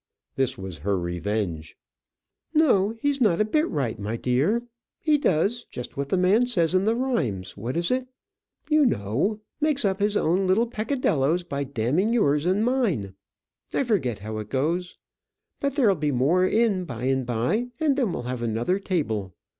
This was her revenge. "No; he's not a bit right, my dear. He does just what the man says in the rhymes what is it? you know makes up for his own little peccadilloes by damning yours and mine. I forget how it goes. But there'll be more in by and by, and then we'll have another table.